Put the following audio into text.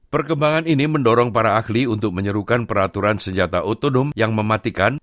perkembangan ini mendorong para ahli untuk menyerukan peraturan senjata otonom yang mematikan